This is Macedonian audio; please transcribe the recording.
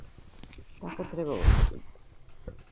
Така требало да биде.